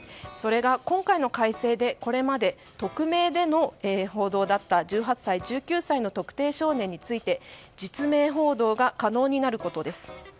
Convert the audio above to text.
それが今回の改正でこれまで匿名での報道だった１８歳、１９歳の特定少年について実名報道が可能になることです。